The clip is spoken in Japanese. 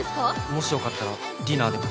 もしよかったらディナーでも。